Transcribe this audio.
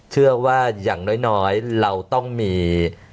เชื่อว่าอย่างน้อยเราต้องมี